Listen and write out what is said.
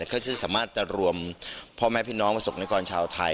เขาจะสามารถแต่รวมพ่อแม่พี่น้องมาศกในกรชาวไทย